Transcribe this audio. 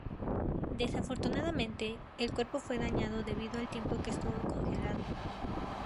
Desafortunadamente, el cuerpo fue dañado debido al tiempo que estuvo congelado.